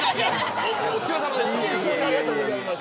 お疲れさまです。